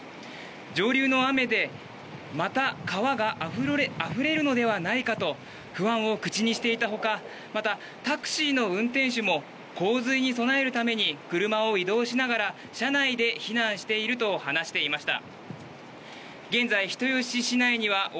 上流の雨でまた川があふれるのではないかと不安を口にしていたほかまた、タクシーの運転手も洪水に備えるために車を移動しながら車内で避難していると話していました。